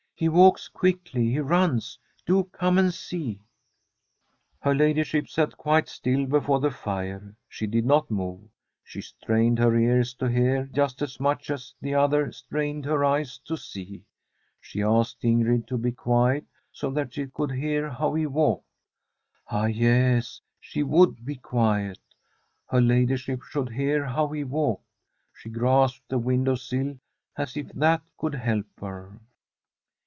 He walks quickly ! he runs ! Do come and see !' Her ladyship sat quite still before the fire. She did not move. She strained her ears to hear, just as much as the other strained her eyes to see. She asked Ingrid to be quiet, so that she could hear how he walked. Ah, yes, she would be quiet. Her ladyship should hear how he walked. She grasped the window sill, as if that could help her.